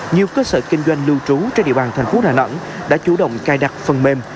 nhiều cơ sở kinh doanh lưu trú trên địa bàn thành phố đà nẵng đã chủ động cài đặt phần mềm